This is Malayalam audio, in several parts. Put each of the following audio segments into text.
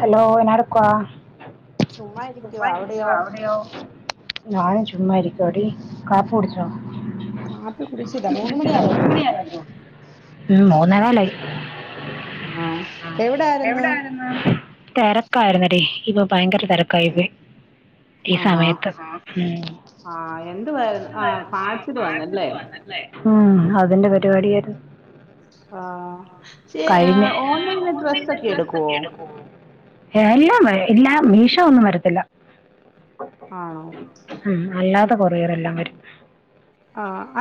ഹലോ എന്നാട്ക്കുവാ ചുമ്മാ നിക്യുവാ അവിടെയോ ഞാനും ചുമ്മാ ഇരിക്കു ആടി കാപ്പി കുടിച്ചോ കാപ്പി കുടിചില്ല മൂന്ന് മണി ആയല്ലേഒള്ളു ഉം മൂന്നാകാലായി ആണോ എവിടയിര്ന്നു തിരക്കായിരുന്നേടി ഇപ്പൊ ഭയങ്കര തിരക്കായിപ്പോയെടി ഈ ആഹാ സമയത്ത് ഉം ആഹ് എന്തുവായിരുന്നു ആഹ് ഫാൻസില് വന്നല്ലേ ഉം അതിന്റെ പരിപാടിയര്ന്നു ആഹ് ശെ ഓൺലൈ എട് ട്രസ് [unintelligible] സൊക്കെ എടുക്കുവോ? എല്ലാം ഇല്ല മീശ ഒന്നും വരത്തില്ല ആണോ? ഉം അല്ലാതെ കൊറിയറെല്ലാം വരും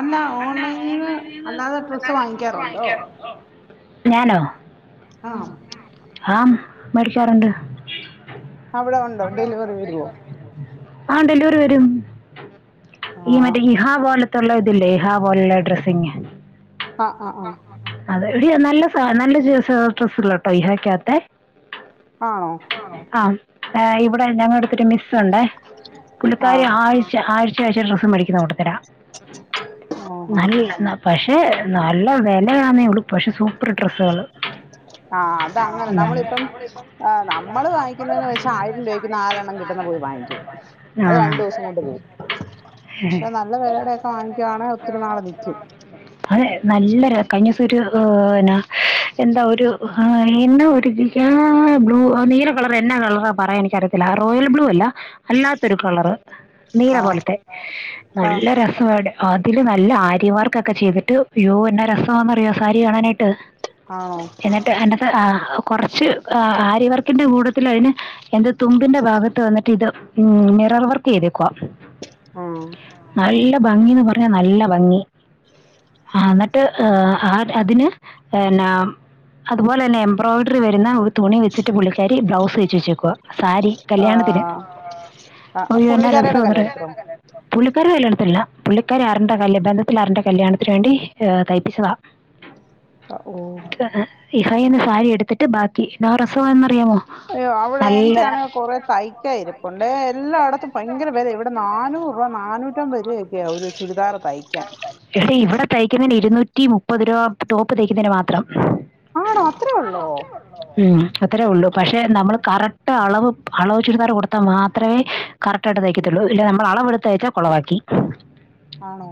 ആഹ് അല്ല ഓൺലൈനിന്ന് അല്ലാതെ ഡ്രസ്സ് വാങ്ങിക്കാറുണ്ട ഞാനോ? ആഹ് ആഹ് മേടിക്കാറുണ്ട്. അവിടെ ഉണ്ടോ ഡെലിവറി വരോ? ആഹ് ഡെലിവറി വരും ഈ ആഹ് മറ്റേ ഇഹാവ ത്തുള്ളെ ഇതില്ലേ ഇഹ വല്ല ഡ്രസ്സിങ് ആഹ് ആഹ് ആഹ് അതെ എടി നല്ല സ നല്ല ജ ഡ്രസ്ള്ളട്ടോ ഇഹക്കകത്തെ ആണോ? ആഹ് ങ് ഇവിടെ ഞങ്ങളെ അടുത്തൊരു മിസ്സുണ്ടേ പുള്ളിക്കാരി ആഹ് ആഴ് ച്ച ആഴ്ച ആഴ്ച ഡ്രസ്സ് മേടിക്കുന്ന കൂട്ടത്തില ഓഹോ നല്ല ന പക്ഷെ നല്ല വെലയാന്നേ ഒള്ളു പക്ഷെ സൂപ്പർ ഡ്രസ്സുകള് ആഹ് അതങ്ങനെ നമ്മളിപ്പം നമ്മള് വാങ്ങിക്കുന്നതന്ന് വെച്ചാ ആയിരം രൂപയ്ക്ക് നാലെണ്ണം കിട്ടുന്ന പോയി വാങ്ങിക്കും അത് രണ്ടുസം കൊണ്ട് പോവും ക്ഷെ ആ നല്ല വിലടൊക്കെ വാങ്ങിക്കുവാണെങ്ക ഒത്തിരി നാള് നിക്കും അതെ നല്ലെര് കഴിഞ്ഞസം ഒരു ഏന്നാ എന്താ ഒരു ആഹ് എന്ന ഒരുതി ബ്ലൂ നീല കളർ എന്നാ കളറ പറയാൻ എനിക്കറിയത്തില്ല റോയൽ ബ്ലൂ അല്ല കളർ നീല ആഹ് പോലത്തെ നല്ല ആഹ് ര [unintelligible] അതില് നല്ല ആര്യമാർക്കൊക്കെ ചെയ്തിട്ട് അയ്യോ എന്ന രസമാന്ന്റിയോ സാരി കാണാനായിട്ട് ആഹ് എന്നട്ട് എന്നത്തെ ആഹ് കുറച്ച് ആരിവർക്കിന്റെ കൂടത്തി അതിന് എന്റെ തുമ്പിന്റെ ഭാഗത്ത് വന്നിട്ട് ഇത് മിറർ വർക്ക് ചെയ്തേക്കുവാ ആഹ് നല്ല ഭംഗിന്ന് പറഞ്ഞാ നല്ല ഭംഗി ആഹ് എന്നിട്ട് ആഹ് അതിന് എന്നാ അതുപോലെ തന്നെ എംബോഡറി വരുന്ന തുണി വെച്ചിട്ട് പുള്ളിക്കാരി ബ്ലൗസ് വെച്ച് വെച്ചേക്കുവ സാരി കല്യാണത്തിന് ആഹ് ആഹ് ഒയന്നെ രസ പുള്ളിക്കാരിയുടെ കല്ലെടുത്തോ [unintelligible] പുള്ളിക്കാാര കല്യാണത്തില്ല പുള്ളിക്കാരി [unintelligible] കല്യണബന്ധത്തിൽ ആരുന്റെ കല്യാണത്തിന് വേണ്ടി തഴപ്പിച്ചതാ ഓ ഇഫൈന്ന് സാരി എടുത്തിട്ട് ബാക്കി ഇന്നോ രസവാന്ന് അറിയാമോ അയ്യോ അവിടെ എനിക്കാണെങ്കിൽ കുറെ തയ്ക്ക ഇരിപ്പണ്ട് എല്ലായിടത്തും ഭയങ്കര പേദ ഇവിടെ നാനൂറ് രൂപ നാനൂറ്റ ഈ ഐറ്റം വരയൊക്കെയ ഒരു ചുരിദാറ തയ്ക്കാൻ ഇവിടെ ഇവിടെ തയ്ക്കുന്നതിന് ഇരുന്നൂറ്റി മുപ്പത് രൂപ ടോപ്പ് തയ്ക്കുന്നതിന് മാത്രം ആണോ അത്രേ ഉള്ളോ ഉം അത്രയേ ഉള്ളൂ പക്ഷെ നമ്മൾ കറക്റ്റ് അളവ് അളവ് ചിടുത്താറ് കൊടുത്താ മാത്രമേ കറക്റ്റായിട്ട് തയ്ക്കത്തുള്ളൂ ഇല്ല നമ്മൾളവ എടുത്ത അയച്ചാൽ കുളവാക്കി ആണോ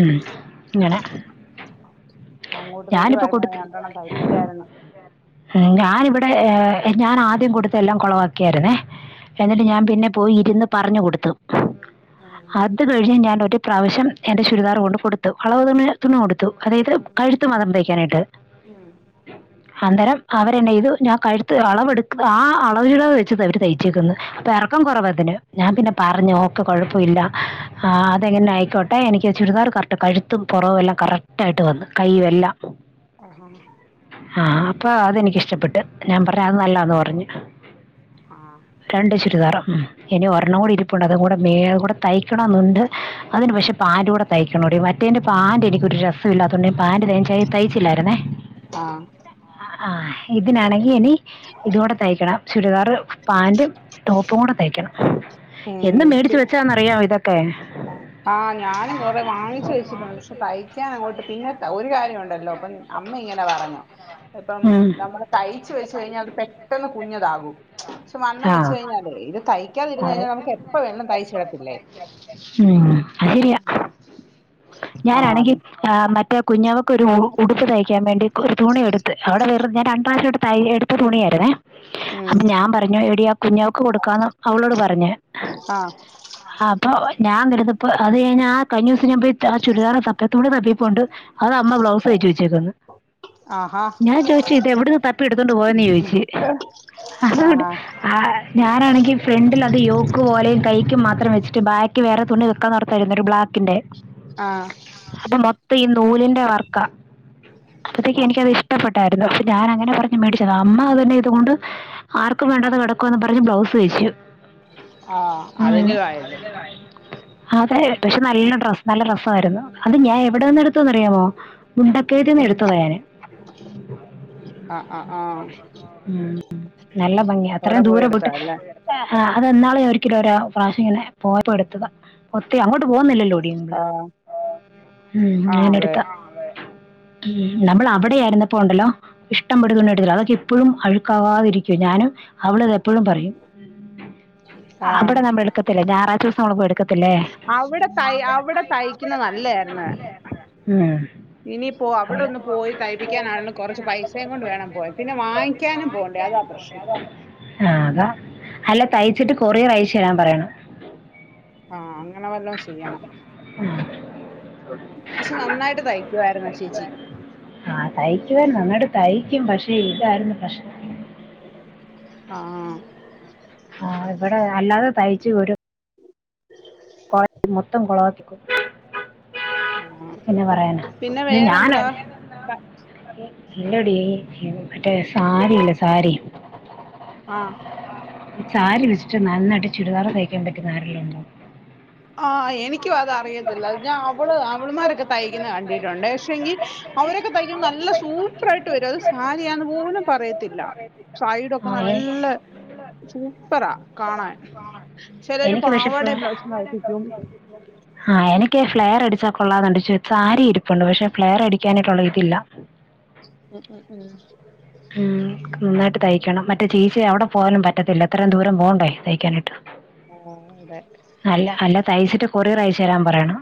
ഉം ഇങ്ങനെ അങ്ങോട്ട് തരുവഴിഞ്ഞ രണ്ടെണ്ണം തയ്പ്പിക്കായിരുന്നു ഉം ഞാനിവിടെ ഞാൻ ആദ്യം കൊടുത്തെ എല്ലാം കൊളവാക്കിയാരുന്നേ എന്നിട്ട് ഉം ഞാൻ പിന്നെ പോയി ഇരുന്ന് പറഞ്ഞു കൊടുത്തു ഉം അത് അത് കഴിഞ്ഞ് ഞാൻ ഒരു പ്രാവശ്യം എന്റെ ചുരിദാർ കൊണ്ടെ കൊടുത്തു അളവ് തുണി തുണി കൊടുത്തു അതായത് കഴുത്ത്‌ മാത്രം തയ്ക്കാനായിട്ട് ഉം ഉ അന്നേരം അവരെന്നാ ചെയ്തു ഞാൻ കഴുത്ത് അളവെടു അളവ് ചുരിതാർ വെച്ചാ അവര് തയ്ച്ചേക്കുന്നേ പൊക്കം കുറവാ ഇതിന് ഞാൻ പിന്നെ പറഞ്ഞു ഓക്കെ കുഴപ്പമില്ല അതെങ്ങനേലും ആയിക്കോട്ടെ എനിക്ക് ചുരിദാർ കറ കഴുത്തും പുറവും എല്ലാം കറക്റ്റായിട്ട് വന്നു കൈയും എല്ലാം ആഹ് ആഹ് ആഹ് അപ്പൊ അത് എനിക്കിഷ്ടപ്പെട്ട് ഞാൻ പറഞ്ഞ് അത് നല്ലതാന്ന് പറഞ്ഞു ആഹ് രണ്ട് ചുരിദാറ ഉം ഇനി ഒരെണ്ണം കൂടെ ഇരിപ്പുണ്ട് അതും കൂടെ മേ അത് കൂടെ തയ്ക്കണം എന്നുണ്ട് അതിന് പക്ഷെ പാന്റൂടെ തയ്ക്കണോടി മറ്റേതിന്റെ പാന്റ് എനിക്കൊരു രസമില്ലാ ത്തോണ്ട്‌ പാന്റ് [unintelligible] തയ്ച്ചില്ലാരുന്നേ ആഹ് ആഹ് ഇതിനാണെങ്കി ഇനി ഇതൂടെ തയ്ക്കണം ചുരിദാറ് പാന്റും ടോപ്പും കൂടെ തൈക്കണം എന്ന് മേടിച്ച് ഏഹ് വെച്ചതാന്നറിയാവോ ഇതൊക്കെ ആഹ് ഞാനും കൊറെ വാങ്ങിച്ചു വെച്ചിട്ടുണ്ട് പക്ഷെ തയ്ക്കാൻ അങ്ങോട്ട് പിന്നെ ഒരു കാര്യം ഉണ്ടല്ലോ അപ്പൊ അമ്മ ഇങ്ങനെ പറഞ്ഞു ഇപ്പം ഉം. നമ്മള് തയ്ച്ച് വെച്ച് കഴിഞ്ഞാൽ അത് പെട്ടെന്ന് കുഞ്ഞതാകും പക്ഷെ വണ്ണം ആ വെച്ച് കഴിഞ്ഞാല് ഇത് തയ്ക്കാതിരുന്ന് അത് കഴിഞ്ഞാ നമുക്ക് എപ്പൊ വേണേലും തയ്ച്ചിടത്തില്ലേ ഉം അത് ശരിയാ ആ അത് ഞാനാണെങ്കിൽ ആ മറ്റേ കുഞ്ഞവക്ക് ഒരു ഉടുപ്പ് തയ്ക്കാൻ വേണ്ടി ഒരു തുണി എടുത്ത് അവിടെ ഞാൻ രണ്ട്‌ പ്രാവശ്യം ആയിട്ട് ത എടുത്ത തുണിയാരുന്നേ ഉം അപ്പൊ ഞാൻ പറഞ്ഞു എടി ആ കുഞ്ഞാവക്ക് കൊടുക്കാന്ന് അവളോട് പറഞ്ഞു ആ ആഹ് അപ്പൊ ഞാൻ വരുന്നപ്പോ അത് കഴിഞ്ഞ് ആ കഴിഞ്ഞ ദിവസം ഞാൻ പോയി ആഹ് ചുരിദാറ് തപ്പിയപ്പോ തുണി തപ്പിയപ്പൊ ആണ്ട് അത് അമ്മ ബ്ലൗസ് തയ്ച്ച് വെച്ചേക്കുന്നു ആഹാ ഞാൻ ചോയിച്ച് ഇത് എവിടന്ന് തപ്പി എടുത്തോണ്ട് പോയെന്ന് ചോദിച്ചു അത് കൊണ്ട് ആഹാ ആഹ് ഞാനാണെങ്കിൽ ഫ്രണ്ടിൽ അത് യോക്ക് പോലെയും കൈക്കും മാത്രം വെച്ചിട്ട് ബായ്ക്ക് വേറെ തുണി വെക്കാന്ന് ഓർ ത്താരുന്നു ഒരു ബ്ലാക്കിന്റെ ആഹ് അപ്പം മൊത്തം ഈ നൂലിന്റെ വർക്കാ ആ അപ്പത്തേക്കും ആ എനിക്കത് ഇ ഷ്ടപ്പെട്ടാരുന്നു അപ്പോ ഞാനങ്ങനെ പറഞ്ഞ് മേടിച്ചതാ അമ്മ അതിനെ ഇതുകൊണ്ട് ആർക്കും വേണ്ടാതെ കിടക്കുവാന്നും പറഞ്ഞ് ബ്ലൗസ് തയ്ച്ചു ആഹ് അതെങ്കിലും ആയല്ലോ അതെ പക്ഷെ നല്ല ഡ്രസ്സ് നല്ല രസമാരുന്നു അത് ഞാൻ എവിടെ നിന്ന് എടുത്തതാന്ന് അറിയാമോ മുണ്ട ഉം ആഹ് ആഹ് ആഹ് ഉം നല്ല ഭംഗിയാ അത്രേയും പോയി ദൂരം എടുത്താ പോയിട്ട് അല്ലേ ആഹ് അത് ഇന്നാള് ഒരിക്കല് ഒരു പ്രാവശ്യമങ്ങനെ പോയപ്പോ എടുത്തതാ ഒത്തി അങ്ങോട്ട് പോകുന്നില്ലല്ലോടി ആഹ് ഉം ഞാന് എടുത്തതാ ഉം നമ്മള് അവടെയായിരുന്നപ്പോ ഉണ്ടല്ലോ ഇഷ്ടം പടി തുണി എടുത്തിട്ടുള്ളതാ അതൊക്കെ ഇപ്പഴും അഴുക്കാവാതിരിക്കുവാ ഞാനും അവളത് എപ്പഴും പറയും ആ അവടെ നമ്മ എടുക്കത്തില്ലേ ഞായറാഴ്ച ദിവസം നമ്മള് പോയി എടുക്കത്തില്ലേ അവിടെ തൈ അവിടെ തയ്ക്കുന്ന നല്ലേരുന്നു ഉം ഇനിയിപ്പോ അവള് അവടൊന്ന് പോയി തൈപ്പിക്കാന കൊറച്ച് പൈസേം കൊണ്ട് വേണം പോവാൻ പിന്നെ വാങ്ങി ക്കാനും പോണ്ടേ അതാ പ്രശ്നം ആതാ അല്ല തയ്ച്ചിട്ട് കൊറിയറയച്ച് തരാൻ പറയണം ആഹ് അങ്ങനെ വല്ലോം ചെയ്യണം പക്ഷെ നന്നായിട്ട് തയ്ക്കുമായിരുന്നു ചേച്ചി ഉം ആഹ് തയ്ക്കുവാര്ന്ന് നന്നാട് തയ്ക്കും പക്ഷെ ഇതായിരുന്നു പ്രശ്നം ആഹ് ആഹ് ഇവടെ അല്ലാതെ തയ്ച്ച് തരും [unintelligible] മൊത്തം കൊളവാക്കി കൊടുത്തു ആ എന്നാ പറയാനാ പിന്നെ [unintelligible] ഞാനോ വേറെന്താ ഇല്ലെടി മറ്റേ സാരില്ലേ സാരി ആഹ് ചാരി വെച്ചിട്ട് നന്നായിട്ട് ചുരിദാർ തയ്ക്കാൻ പറ്റുന്ന ആരേല്ലൂണ്ടോ ആ എനിക്കും അതറിയത്തില്ല ഞാൻ അവള് അവള്മാരൊക്കെ തയ്ക്കുന്ന കണ്ടിട്ടുണ്ട് പക്ഷെങ്കി അവരൊക്കെ തയ്ക്കുമ്പോ നല്ല സൂപ്രായിട്ട് വരും അത് സാരിയാന്ന് പോലും പറയത്തില്ല ത്തില്ല സൈഡൊക്കെ ആ ഏ നല്ല സൂപ്പറാ കാണാൻ ചിലരു എനിക്ക് പക്ഷെ പാവാടെ ബ്ലൗസും തയ്പ്പിക്കും ആഹ് എനിക്ക് ഫ്ലെയർ അടിച്ചാ കൊള്ളാന്ന്ണ്ട് ച സാരി ഇരിപ്പുണ്ട് പക്ഷെ ഫ്ലെയർ അടിക്കാനായിട്ടുള്ള ഇതില്ല ഉം ഉം ഉം ആഹ് നന്നായിട്ട് തയ്ക്കണം മറ്റേ ചേച്ചി അവിടെ പോവാനും പറ്റത്തില്ല എത്രയും ദൂരം പോണ്ടേ തയ്ക്കാനായിട്ട് ആഹ് അതെ അല്ല അല്ല തയ്ച്ചിട്ട് കൊറിയറയച്ചെരാൻ പറയണം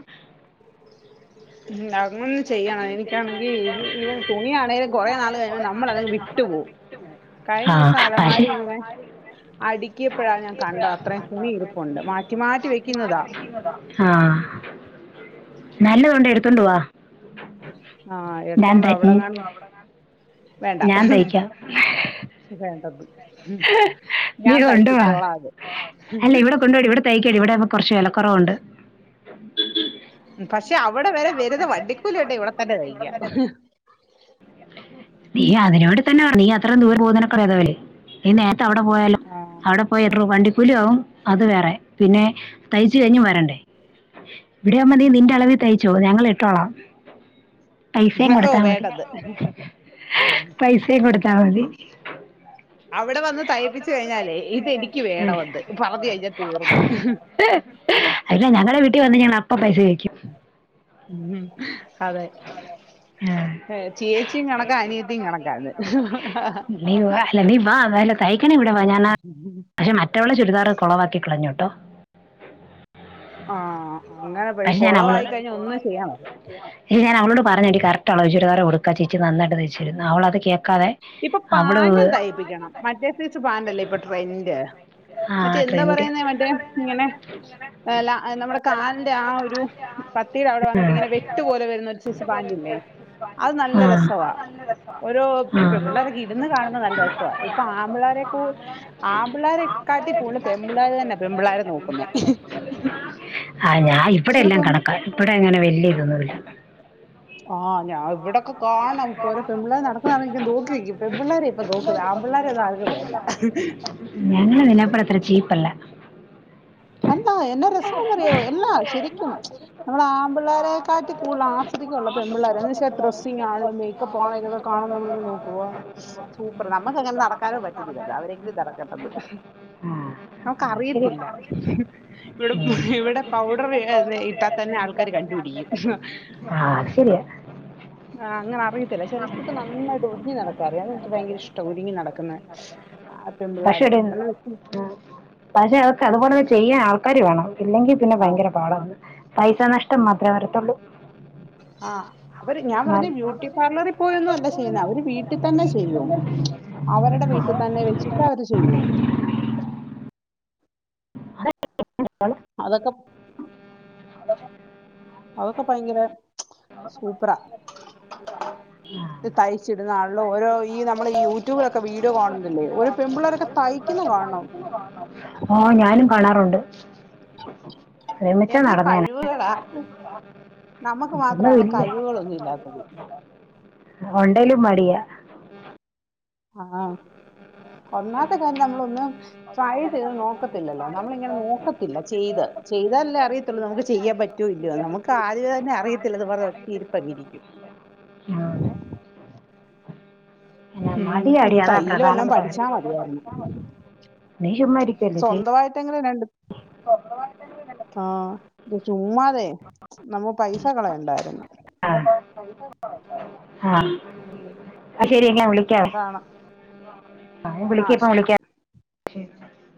ഉം അങ്ങൊന്ന് ചെയ്യണം എനിക്കാണെങ്കിൽ ഇ തുണിയാണേ കൊറേ നാള് കഴിയുമ്പോ നമ്മൾ അതങ്ങ് വിട്ടു പോകും കഴിഞ്ഞ ആ ദിവസം അലമാരിങ്ങനെ പക്ഷേ അടുക്കിയപ്പഴാ ഞാൻ കണ്ടത് അത്രേം തുണി ഇരുപ്പുണ്ട് മാറ്റി മാറ്റി വെക്കുന്നതാ ആഹ് നല്ലതൊണ്ടേ എട്ത്തോണ്ട് വാ ആഹ് ഞാൻ എടുത്തോണ്ടോ തയ് അവിടെങ്ങാൻ വേണ്ട ഞാൻ തയ്ക്കാം വേണ്ട നീ കൊണ്ടു വാ അത് അല്ല ഇവിടെ കൊണ്ടുവാടി ഇവിടെ തൈക്കാടി ഇവിടാവുമ്പോ കൊർച്ച് വിലക്കൊറവുണ്ട് പക്ഷെ അവിടെ വരെ വര്ന്ന വണ്ടിക്കൂലിണ്ടേ ഇവിടെ തന്നെ തയ്ക്കാം നീ അതിന് ഇവിടെത്തന്നെ വരണം നീ അത്രയും ദൂരെ പോകുന്നേനക്കാളും ഭേദമാ നീ നേരത്തെ അവിടെ പോയാലോ ആഹ് [unintelligible] കൂലി ആവും അത് വേറെ പിന്നെ തയ്ച്ച് കഴിഞ്ഞും വരണ്ടേ ഇവിടെയാവുമ്പൊ നീ നിന്റെ അളവിൽ ആഹ് തയ്ച്ചോ ഞങ്ങളിട്ടോളാം പൈസയും ഓ കൊടുത്താ മതി വേണ്ടത് പൈസയും കൊടുത്താ മതി അവടെ വന്ന് തയ്പ്പിച്ചു കഴിഞ്ഞാലേ ഇതെനിക്ക് ഏ വേണവെന്ന് പറഞ്ഞ് കഴിഞ്ഞാ തീർന്ന് അല്ല ഞങ്ങടെ വീട്ടി വന്ന് ഞാൻ അപ്പ പൈസ ചോയ്ക്ക്യും ഉം അതെ ആ. ഏഹ് ചേച്ചിയും കണക്കാ അനിയത്തിയും കണക്കാന്ന് നീ വാ അല്ല നീ വാ മേലെ തൈക്കണേ ഇവിടെവാ ഞാ [unintelligible] പക്ഷെ മറ്റവളെ ചുരിദാർ കൊളവാക്കി കളഞ്ഞൂട്ടോ ആഹ് അങ്ങനെ പൊയ് കൊളവായി കഴിഞ്ഞ ഒന്നും ചെയ്യാൻ മേ ഇത് ഞാനവളോട് പറഞ്ഞ് എടി കറക്റ്റളവ് ചുരിദാറ് കൊടുക്ക് ആ ചേച്ചി നന്നായ്ട്ട് തയ്ച്ചെരുന്ന് അവളത് കേ ക്കാതെ ഇപ്പൊ പാന്റും തയ്പ്പിക്കണം മറ്റേ സൈസ് പാന്റല്ലേ ഇപ്പൊ ട്രെന്റ് ആ മറ്റേ എന്താ ട്രെൻഡ് പറയുന്നേ മറ്റേ ഇങ്ങനെ ലാ നമ്മുടെ കാലിന്റെ ആ ആ ഒരു പത്തീടെ അവിടെ ആ വന്നിട്ട് ഇങ്ങനെ വെട്ടുപോലെ വരുന്ന ഒരു സൈസ് പാന്റില്ലേ അത് ആ നല്ല രസവാ ഓരോ ആ പെമ്പിള്ളാരൊക്കെ ഇടുന്ന കാണുന്ന നല്ല രസവാ ഇപ്പൊ ആമ്പിള്ളാരെക്കൂ ആമ്പിള്ളാരെക്കാട്ടി കൂടുൽ പെമ്പിള്ളാര് തന്നാ പെമ്പിള്ളാരെനോക്കുന്നേ ആഹ് ഞാ ഇവിടെ എല്ലാം കണക്കാ ഇവിടെ അങ്ങനെ വല്യ ഇതൊന്നുവില്ല ആഹ് ഞാ ഇവ്ടൊക്കെ കാണണം ഓരോ പെമ്പിള്ളേര് നടക്കുന്നതാണെ നോക്കി നിക്കും പെമ്പിള്ളേരെ ഇപ്പൊ നോക്കുന്നെ ആമ്പിള്ളേരെ ഒന്നും ആർക്കും വേണ്ട ഞങ്ങള് നിന്നെപ്പോലത്ര ചീപ്പല്ല അല്ലാ എന്നാ രസാന്നറിയോ എല്ലാ ശെരിക്കും നമ്മളാമ്പിള്ളാരെക്കാട്ടി കൂട്തലാസ് സ്വദിക്കൊല്ലോ പെമ്പിള്ളാര് എന്ന് വെച്ചാ ഡ്രസ്സിങ്ങാ ണേലും മേക്കപ്പാണേലും ഇത് കാണുമ്പോ നമ്മളിങ്ങനെ നോക്കു ഓ സൂപ്പർ നമുക്കങ്ങനെ നടക്കാനോ പറ്റ് റ്റത്തില്ലല്ലോ അവരെങ്കിലും നടക്കട്ടെന്ന് ആഹ് നമുക്കറിയത്തില്ല ഇവിടെ ഉം. ഇവിടെ പൗഡർ ഇട്ടാ തന്നെ ആൾക്കാര് കണ്ടുപിടിക്കും ആഹ് അത് ശെരിയ ആഹ് അങ്ങനെ അറിയത്തില്ല ചെലർക്കൊക്കെ നന്നായിട്ട് ഒരുങ്ങി നടക്കാറിയാ അതെനിക്ക് ഭയങ്കരിഷ്ടാ ഒരുങ്ങി നടക്കുന്നെ ആഹ് പക്ഷെ പെമ്പിള്ളാരെ ഒരു നല്ല ലുക്കിൽ ഉം, പക്ഷെ അതൊക്കെ അതുപോലൊക്കെ ചെയ്യാൻ ആൾക്കാര് വേണം ഇല്ലെങ്കി പിന്നെ ആ ഭയങ്കര പാടാന്ന് പൈസ നഷ്ടം മാത്രേ വരത്തൊള്ളു ആഹ് അവര് ഞാൻ എന്നാൽ പറഞ്ഞെ ബ്യൂട്ടി പാർലറിൽ പോയൊന്നും അല്ല ചെയ്യുന്നെ അവര് വീട്ടിതന്നെ ചെയ്യും. അവരുടെ വീട്ടി തന്നെ വെച്ചിട്ട് അവര് ചെയ്യും [unintelligible] അതൊക്കെ അതൊക്കെ ഭയങ്കര [unintelligible] [inaudible] സൂപ്പറാ ഇത് തയ്ച്ചിടുന്ന ആളിലും ഓരോ ഈ നമ്മൾ ഈ യൂട്യൂബിലൊക്കെ വീഡിയോ കാണുന്നില്ലേ ഒരു പെൺപിള്ളേരൊക്കെ തയ്ക്കുന്ന കാണണം ആഹ് ഞാനും കാണാറുണ്ട് ശ്രമിച്ചാ എന്നാ നടന്നേനെ കഴിവുകളാ നമ്മക്ക് ഇതൊന്നും മാത്രമാണ് ഇല്ല കഴിവുകളൊന്നും ഇല്ലാത്തത് ഒണ്ടേലും മടിയാ ആഹ് ഒന്നാത്തെ കാര്യം നമ്മളൊന്ന് ട്രൈ ചെയ്ത് നോക്കത്തില്ലല്ലോ നമ്മളിങ്ങനെ നോക്കത്തില്ല ചെയ്ത് ചെയ്താലല്ലേ അറിയത്തുള്ളൂ നമുക്ക് ചെയ്യാൻ പറ്റ റ്റോ ഇല്ലയോന്ന് നമുക്ക് ആദ്യമേ തന്നെ അറിയത്തില്ലന്നും പറഞ്ഞ് ഒറ്റ ഇരിപ്പങ്ങിരിക്കും ആന്ന് എന്നാ ഉം മടിയാടി ഇത് തയ്യല് വല്ലോം അതാപ്രധാനപ്പെട്ട കാര്യം പഠിച്ചാ മതിയായിരുന്നു നീ ചുമ്മാ ഇരിക്കുവല്ലേ ചെയ് ന്തവായിട്ടെങ്കിലും രണ്ട് [unintelligible] ആഹ്‌ ഇത് ചുമ്മാതെ നമ്മ പൈസ കളയണ്ടായിരുന്നു [unintelligible] ആഹ് ഉം ശെരി ന്നാവിളിക്കാവെ അതാണ് ആ വിളിക്ക പ്പ ശരി വിളിക്ക